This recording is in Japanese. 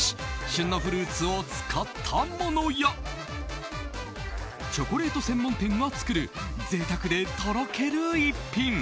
旬のフルーツを使ったものやチョコレート専門店が作る贅沢でとろける一品。